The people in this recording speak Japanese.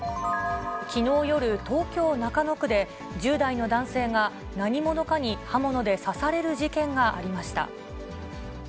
きのう夜、東京・中野区で、１０代の男性が何者かに刃物で刺される事件がありました。